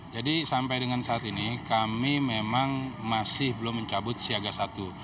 jadi sampai dengan saat ini kami memang masih belum mencabut siaga satu